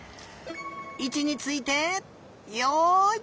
いちについてよい。